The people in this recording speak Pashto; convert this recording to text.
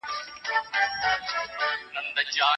زه باید د نورو کاروونکو پیغامونه وګورم.